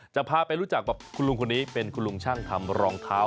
จะพาไปรู้จักแบบคุณลุงคนนี้เป็นคุณลุงช่างทำรองเท้า